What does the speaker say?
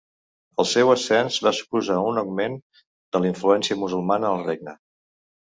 El seu ascens va suposar un augment de la influència musulmana al regne.